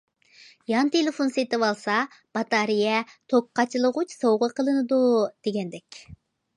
يان تېلېفون سېتىۋالسا باتارېيە، توك قاچىلىغۇچ سوۋغا قىلىنىدۇ، دېگەندەك.